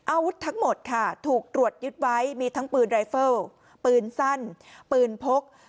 อาวุธทั้งหมดค่ะถูกตรวจยึดไว้มีทั้งปืนรายเฟิลปืนสั้นปืนพก